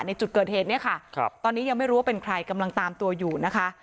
ในจุดเกิดเหตุเนี่ยค่ะครับตอนนี้ยังไม่รู้ว่าเป็นใครกำลังตามตัวอยู่นะคะ